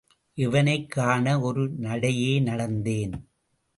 இவளைக் காண ஒரு நடையே நடந்தேன்.